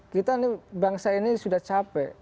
kita ini bangsa ini sudah capek